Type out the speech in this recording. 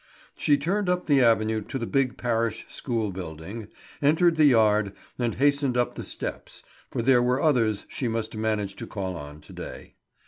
She turned up the avenue to the big parish school building, entered the yard, and hastened up the steps, for there were others she must manage to call on to day.